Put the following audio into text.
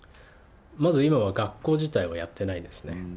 まず今は学校自体はやってないですね。